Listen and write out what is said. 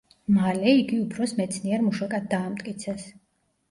მალე იგი უფროს მეცნიერ-მუშაკად დაამტკიცეს.